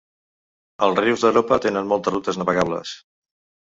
Els rius d'Europa tenen moltes rutes navegables.